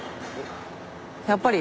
やっぱり。